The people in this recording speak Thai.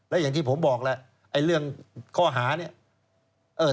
แล้วอย่างที่ผมบอกแหละไอ้เรื่องข้อหาเนี่ย